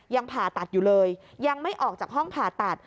ผ่าตัดอยู่เลยยังไม่ออกจากห้องผ่าตัด